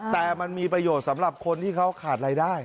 แต่มันมีประโยชน์สำหรับคนที่เขาขาดรายได้